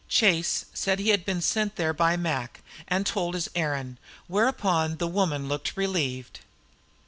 Chase said he had been sent there by Mac, and told his errand, whereupon the woman looked relieved.